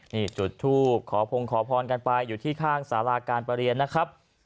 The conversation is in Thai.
นี่จุดทูบขอพงขอพรกันไปอยู่ที่ข้างสาราการประเรียนนะครับ